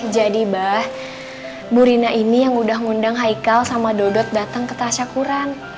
bah bu rina ini yang udah ngundang haikal sama dodot datang ke tasyakuran